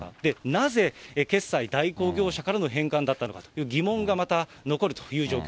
なぜ決済代行業者からの返還だったのかと、疑問がまた残るという